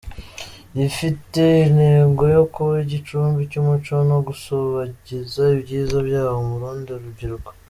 Rifite intego yo kuba igicumbi cy’umuco no gusabagiza ibyiza byawo mu rundi rubyiruko.